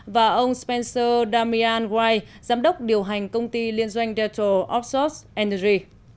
và ông spencer damian white giám đốc điều hành công ty liên doanh delta opsos energy